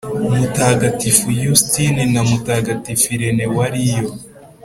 mutagatifu yustini na mutagatifu irene wa liyo